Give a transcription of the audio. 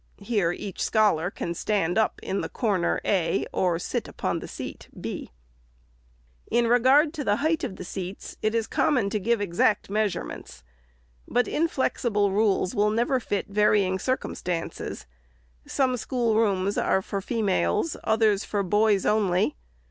Here each scholar can stand up in the corner a, or sit upon the seat b. In regard to the height of the seats, it is common to give exact measurements. But inflexible rules will never fit varying circumstances. Some schoolrooms are for females ; others for boys only.